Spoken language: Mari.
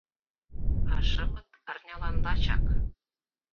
А шымыт — арнялан лачак.